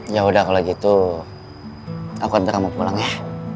yaudah kalo gitu aku ntar mau pulang ya